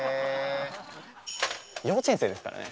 幼稚園生ですからね。